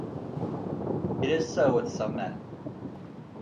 It is so with some men.